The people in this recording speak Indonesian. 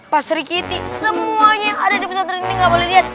pak sri kitty semuanya yang ada di pesawat terdiri ini nggak boleh dilihat